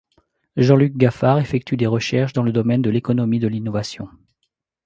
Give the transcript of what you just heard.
Jean-Luc Gaffard effectue des recherches dans le domaine de l’économie de l’innovation.